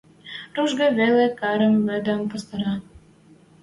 Ружге веле карем вӹдӹм постара.